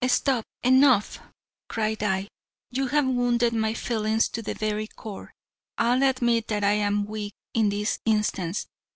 "Stop! Enough!" cried I. "You have wounded my feelings to the very core. I'll admit that I am weak in this instance.